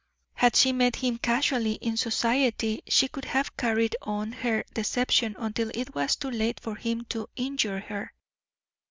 Had she met him casually in society, she could have carried on her deception until it was too late for him to injure her.